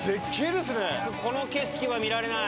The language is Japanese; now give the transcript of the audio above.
この景色は見られない。